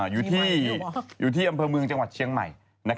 อยู่ที่อำเภอเมืองจังหวัดเชียงใหม่